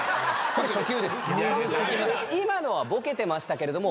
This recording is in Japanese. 今のはぼけてましたけれども。